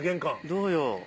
どうよ。